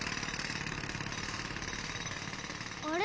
・あれ？